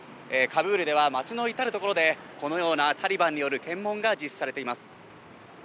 カブールでは街の至るところでこのようなタリバンによる検問が実施されています。